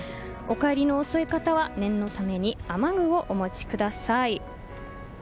お帰りの遅い方は念のために雨具をお持ちください。